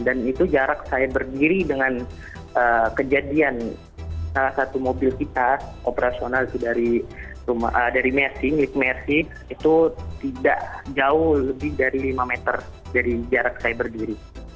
dan itu jarak saya berdiri dengan kejadian salah satu mobil kita operasional itu dari mersi itu tidak jauh lebih dari lima meter dari jarak saya berdiri